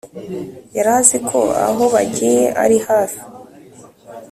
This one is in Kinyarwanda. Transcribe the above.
yaraziko aho bagiye ari hafi